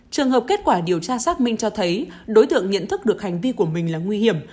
trường hợp kết quả điều tra xác minh cho thấy đối tượng nhận thức được hành vi của mình là nguy hiểm